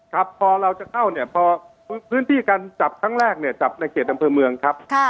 ครับพอเราจะเข้าเนี่ยพอพื้นที่การจับครั้งแรกเนี่ยจับในเขตอำเภอเมืองครับ